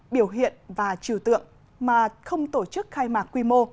biểu hiện và trừ tượng mà không tổ chức khai mạc quy mô